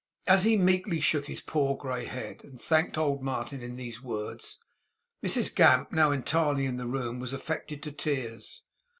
As he meekly shook his poor, grey head, and thanked old Martin in these words, Mrs Gamp, now entirely in the room, was affected to tears.